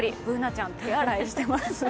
Ｂｏｏｎａちゃん、手洗いしています。